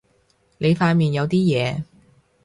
你塊面有啲嘢